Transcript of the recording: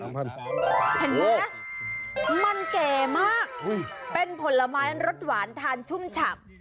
ทำให้มันโหมันแก่มากเป็นผลไม้รสหวานทานชุ่มฉับ